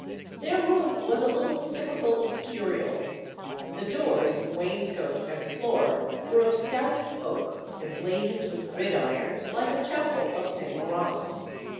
Their room was a little typical Escurial. The doors, wainscot, and floor, were of stout oak, emblazoned with gridirons, like a chapel of St. Laurence.